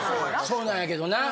そうなんやけどな。